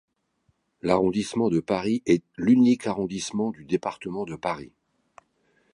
L'arrondissement de Paris est l'unique arrondissement du département de Paris.